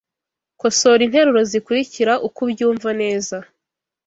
Kosora interuro zikurikira ukubyumva neza